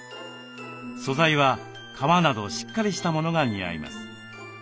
素材は革などしっかりしたものが似合います。